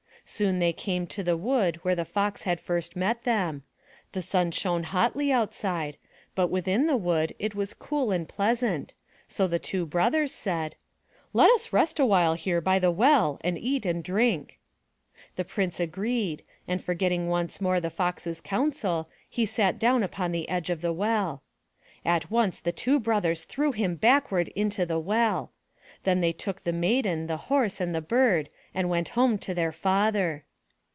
Soon they came to the wood where the Fox had first met them. The sun shone hotly outside, but within the wood it was cool and pleasant, so the two brothers said: ''Let us rest a little here by the well and eat and drink." The Prince agreed and forgetting once more the Fox's counsel, he sat down upon the edge of the well. At once the two brothers threw him backward into the well. Then they took the maiden, the horse, and the bird, and went home to their father.